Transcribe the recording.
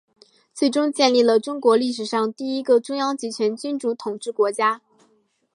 最终建立了中国历史上第一个中央集权君主统治国家。